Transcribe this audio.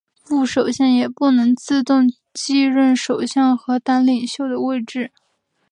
副首相也不能自动继任首相和党领袖的位置。